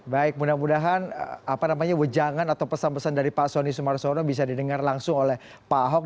baik mudah mudahan apa namanya wejangan atau pesan pesan dari pak soni sumarsono bisa didengar langsung oleh pak ahok